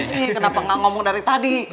ini kenapa gak ngomong dari tadi